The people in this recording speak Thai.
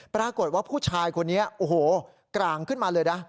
ปรากฏว่าผู้ชายคนนี้โอ้โหกลางขึ้นมาเลยนะ